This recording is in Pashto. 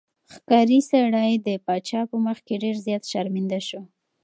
ښکاري سړی د پاچا په مخ کې ډېر زیات شرمنده شو.